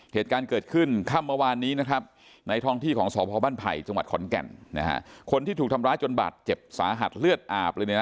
เหตุการณ์เกิดขึ้นค่ำเมื่อวานนี้นะครับในท้องที่ของสพบ้านไผ่จังหวัดขอนแก่นคนที่ถูกทำร้ายจนบาดเจ็บสาหัสเลือดอาบเลยเนี่ยนะ